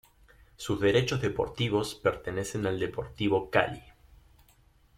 Sus derechos deportivos pertenecen al Deportivo Cali.